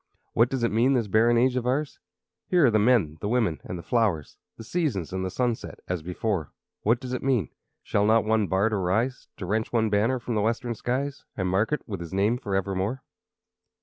What does it mean, this barren age of ours? Here are the men, the women, and the flowers, The seasons, and the sunset, as before. What does it mean? Shall not one bard arise To wrench one banner from the western skies, And mark it with his name forevermore?